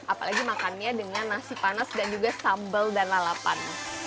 apalagi makannya dengan nasi panas dan juga sambal dan lalapan